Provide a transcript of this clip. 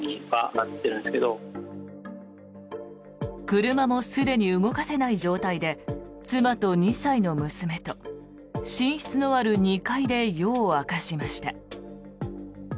車もすでに動かせない状態で妻と２歳の娘と寝室のある２階で夜を明かしました。